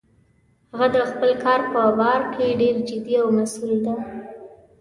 هغه د خپل کار په باره کې ډیر جدي او مسؤل ده